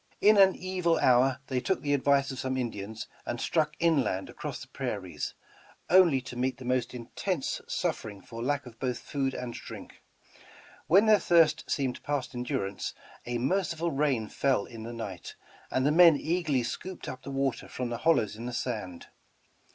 In an evil hour thev took the advice of some Indians and struck inland across the prairies, only to meet the most intense suffering for lack of both food and drink. When their thirst seemed past endurance, a merciful rain fell in the night, and the men eagerly scooped up the water from the hollows in the sand.